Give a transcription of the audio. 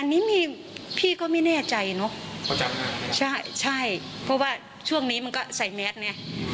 อันนี้มีพี่ก็ไม่แน่ใจเนอะใช่ใช่เพราะว่าช่วงนี้มันก็ใส่แมสไง